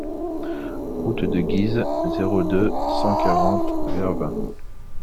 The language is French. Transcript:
Route de Guise, zéro deux, cent quarante Vervins